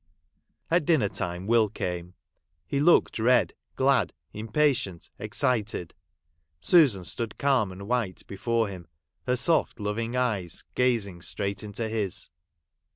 At dinner time Will came. He looked red, glad, impatient, excited. Susan stood calm and white before him, her soft, loving eyes gazing straight into his.